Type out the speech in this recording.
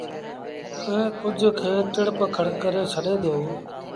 ائيٚݩٚ ڪجھ کي ٽڙ پکڙ ڪري ڇڏي دو۔